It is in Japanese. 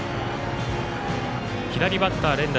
左バッター連打。